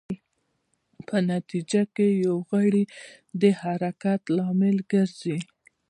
په نتېجه کې د یو غړي د حرکت لامل ګرځي.